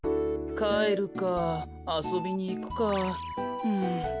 かえるかあそびにいくかうんどうしよう。